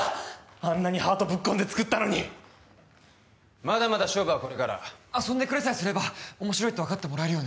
あんなにハートぶっ込んで作ったのにまだまだ勝負はこれから遊んでくれさえすれば面白いと分かってもらえるよね